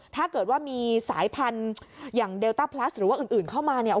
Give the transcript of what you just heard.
ถ้าเกิดว่ามีสายพันธุ์อย่างเดลต้าพลัสหรือว่าอื่นเข้ามาเนี่ย